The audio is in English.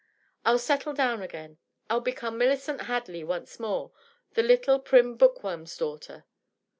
I'll settle down again — I'll become Millicent Hadley once more, the little prim bookworm's daughter.